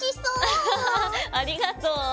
アハハハありがとう。